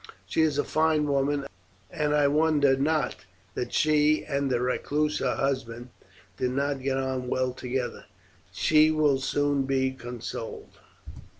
She is a fine woman, and I wonder not that she and the recluse her husband did not get on well together. She will soon be consoled."